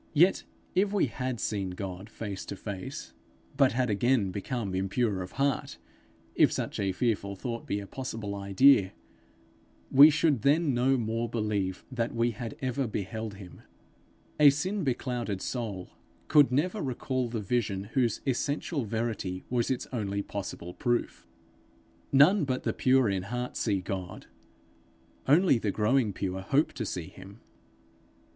Yet, if we had seen God face to face, but had again become impure of heart if such a fearful thought be a possible idea we should then no more believe that we had ever beheld him. A sin beclouded soul could never recall the vision whose essential verity was its only possible proof. None but the pure in heart see God; only the growing pure hope to see him.